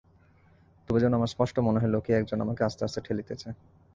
তবু যেন আমার স্পষ্ট মনে হইল, কে একজন আমাকে আস্তে আস্তে ঠেলিতেছে।